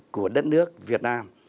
của đất nước việt nam